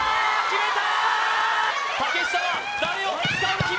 決めたー！